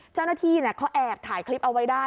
เจ้าหน้าที่เขาแอบถ่ายคลิปเอาไว้ได้